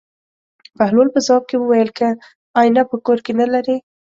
بهلول په ځواب کې وویل: که اېنه په کور کې نه لرې.